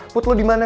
put lu dimana